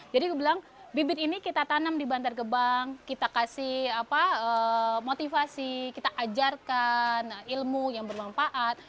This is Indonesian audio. jadi dibilang bibit ini kita tanam di bantar gebang kita kasih motivasi kita ajarkan ilmu yang bermanfaat